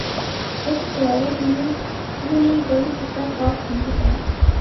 ہیک تہاڑے اُنی تہوں نی گل کُسے خاص بندے کنے کیتی